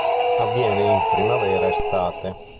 Avviene in primavera-estate.